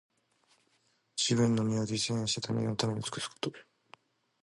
自分の身を犠牲にして、他人のために尽くすこと。